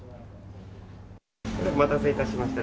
お待たせいたしました。